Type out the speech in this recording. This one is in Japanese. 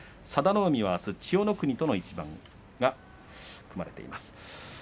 佐田の海、あすは千代の国との一番が組まれています。